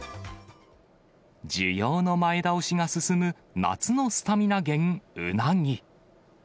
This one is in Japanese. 需要の前倒しが進む夏のスタミナ源、うなぎ。